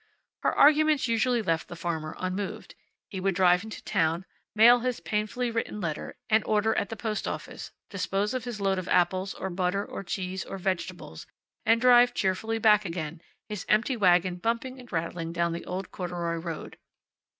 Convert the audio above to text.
Her arguments usually left the farmer unmoved. He would drive into town, mail his painfully written letter and order at the post office, dispose of his load of apples, or butter, or cheese, or vegetables, and drive cheerfully back again, his empty wagon bumping and rattling down the old corduroy road.